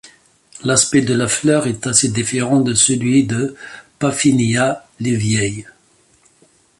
L’aspect de la fleur est assez différent de celui de Paphinia levyae.